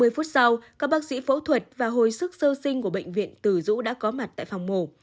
ba mươi phút sau các bác sĩ phẫu thuật và hồi sức sơ sinh của bệnh viện từ dũ đã có mặt tại phòng mổ